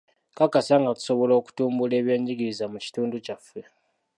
Nkakasa nga tusobola okutumbula eby'enjigiriza mu kitundu kyaffe.